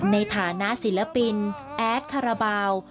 ในฐานะศิลปินแอดคาราบาล